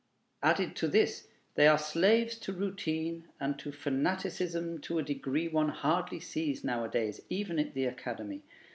Added to this, they are slaves to routine and to fanaticism to a degree one hardly sees nowadays, even at the Academy.